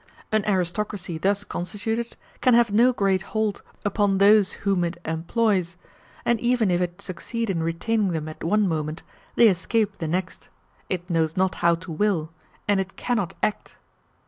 An aristocracy thus constituted can have no great hold upon those whom it employs; and even if it succeed in retaining them at one moment, they escape the next; it knows not how to will, and it cannot act.